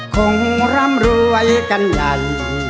คงร่ำรวยกันใหญ่